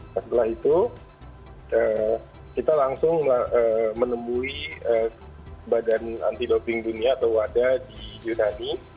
setelah itu kita langsung menemui badan anti doping dunia atau wada di yunani